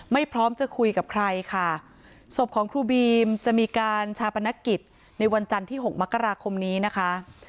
ไม่พร้อมจะคุยกับใครค่ะศพของครูบีมจะมีการชาปนกิจในวันจันทร์ที่หกมกราคมนี้นะคะ